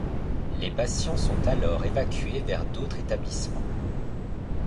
Les patients sont alors évacués vers d’autres établissements.